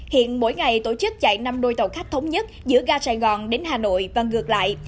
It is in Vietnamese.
hiện mỗi ngày tổ chức chạy năm đôi tàu khách thống nhất giữa ga sài gòn đến hà nội và ngược lại